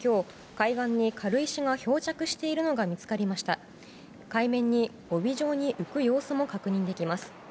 海面に帯状に浮く様子も確認できます。